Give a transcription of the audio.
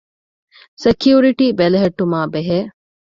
ސެކިއުރިޓީ ބެލެހެއްޓުމާ ބެހޭ